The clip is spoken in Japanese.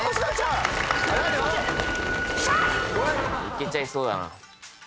いけちゃいそうだな。